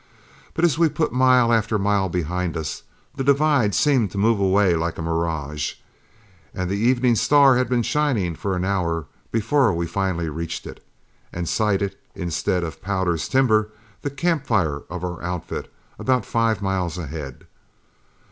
But as we put mile after mile behind us, that divide seemed to move away like a mirage, and the evening star had been shining for an hour before we finally reached it, and sighted, instead of Powder's timber, the campfire of our outfit about five miles ahead.